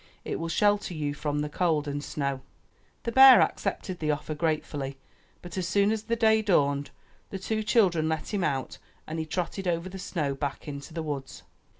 It will shelter you from the cold and snow." The bear accepted the offer gratefully, but as soon as the day dawned, the two children let him out and he trotted over the snow back into the woods.